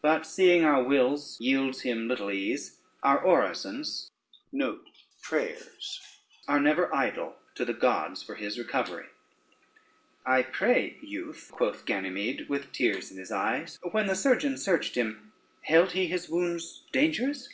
But seeing our wills yields him little ease, our orisons are never idle to the gods for his recovery." [Footnote 1: prayers.] "I pray, youth," quoth Ganymede with tears in his eyes, "when the surgeon searched him, held he his wounds dangerous?"